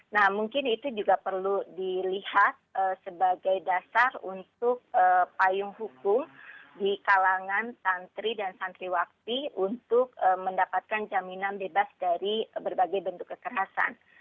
nah mungkin itu juga perlu dilihat sebagai dasar untuk payung hukum di kalangan santri dan santriwakti untuk mendapatkan jaminan bebas dari berbagai bentuk kekerasan